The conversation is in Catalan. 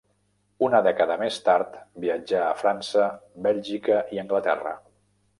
Una dècada més tard, viatjà a França, Bèlgica i Anglaterra.